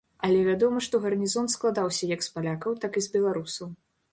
Але вядома, што гарнізон складаўся як з палякаў, так і з беларусаў.